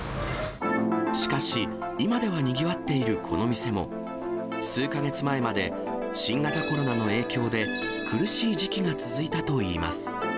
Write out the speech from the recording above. しかし、今ではにぎわっているこの店も、数か月前まで新型コロナの影響で苦しい時期が続いたといいます。